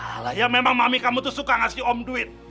hal lah ya memang mami kamu tuh suka ngasih om duit